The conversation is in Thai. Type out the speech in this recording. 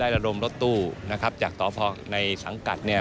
กับการรถตู้ของทุนจากต่อภงในต่างด้วย